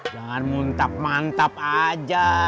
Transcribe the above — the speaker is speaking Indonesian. jangan muntap mantap aja